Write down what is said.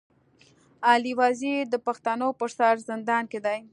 علي وزير د پښتنو پر سر زندان کي دی.